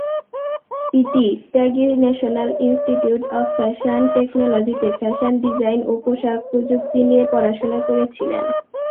ইতি Tyagi national institute of fashion টেকনোলজিতে fashion design ও পোশাক প্রযুক্তি নিয়ে পড়াশোনা করেছিলেন।